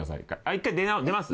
一回出ます？